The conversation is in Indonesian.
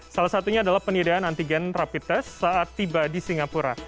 salah satunya adalah penyediaan antigen rapid test saat tiba di singapura